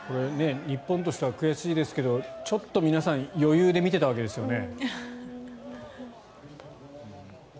日本としては悔しいですけどちょっと皆さん余裕で見ていたわけですよね。